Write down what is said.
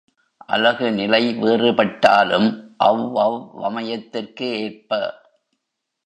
அலகுநிலை வேறுபாட்டாலும், அவ்வவ் வமையத்திற்கேற்ப